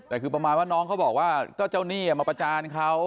แต่คือประมาณว่าน้องเขาบอกว่าก็เจ้าหนี้มาประจานเขา